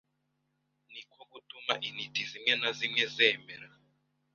niko gutuma intiti zimwe na zimwe zemera